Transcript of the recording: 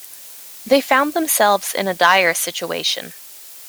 They found themselves in a dire situation.